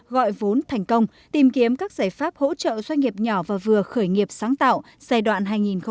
gọi vốn thành công tìm kiếm các giải pháp hỗ trợ doanh nghiệp nhỏ và vừa khởi nghiệp sáng tạo giai đoạn hai nghìn hai mươi một hai nghìn hai mươi năm